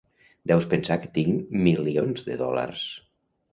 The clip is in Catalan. Deus pensar que tinc milions de dòlars.